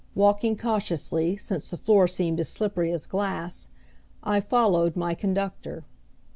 Walking cautiously, since the floor seemed as slippery as glass, I followed my conductor.